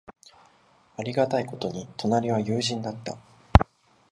ありがたいことに、隣は友人だった。